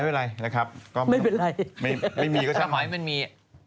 ไม่เป็นไรนะครับก็ไม่เป็นไรไม่มีก็ช่างขอให้มันมี